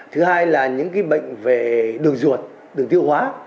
thứ hai là những bệnh về đường ruột đường tiêu hóa